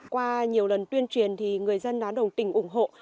qua nhiều lần tuyên truyền thì người dân đã đồng tình ủng hộ